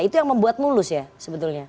itu yang membuat mulus ya sebetulnya